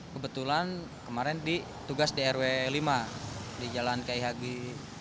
kebetulan kemarin di tugas drw lima di jalan khg agus salim